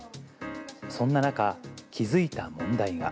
そんな中、気付いた問題が。